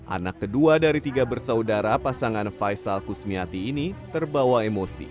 anak kedua dari tiga bersaudara pasangan faisal kusmiati ini terbawa emosi